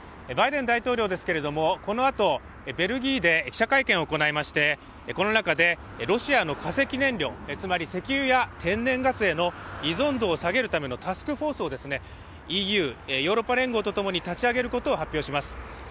バイデン大統領ですけれども、このあと、ベルギーで記者会見を行いまして、この中でロシアの化石燃料、つまり石油や天然ガスの依存度を下げるためのタスクフォースをＥＵ＝ヨーロッパ連合と共に立ち上げることを発表します。